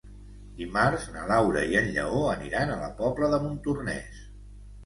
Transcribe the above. Dimarts na Laura i en Lleó aniran a la Pobla de Montornès.